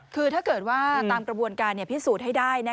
คือถ้าเกิดว่าตามกระบวนการพิสูจน์ให้ได้